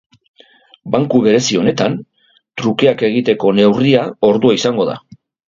Banku berezi honetan, trukeak egiteko neurria ordua izango da.